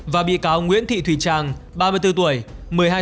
và bị cáo nguyễn thị thùy trang ba mươi bốn tuổi